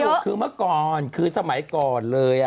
เนื้อหนุ๊ยคือเมื่อก่อนสมัยก่อนเลย